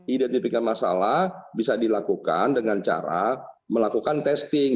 identifikasi masalah bisa dilakukan dengan cara melakukan testing